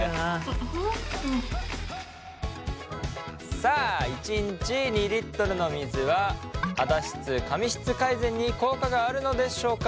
さあ１日２リットルの水は肌質髪質改善に効果があるのでしょうか？